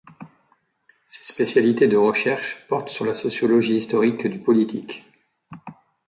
Ses spécialités de recherche portent sur la sociologie historique du politique.